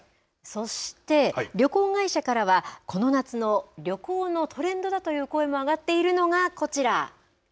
そして、旅行会社からはこの夏の旅行のトレンドだという声も上がっているのがこちら。